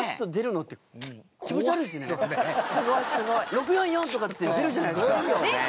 「．６４４」とかって出るじゃないですか。